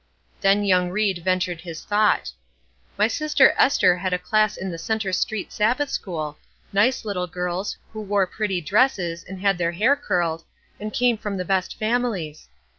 Then young Ried ventured his thought: "My sister Ester had a class in the Center Street Sabbath school nice little girls, who wore pretty dresses, and had their hair curled, and came from the best families.